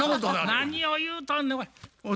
何を言うとんねんお前。